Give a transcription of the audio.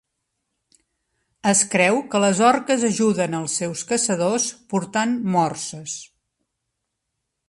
Es creu que les orques ajuden els seus caçadors portant morses.